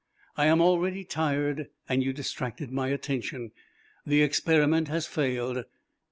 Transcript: "I am already tired, and you distracted my attention. The experiment has failed.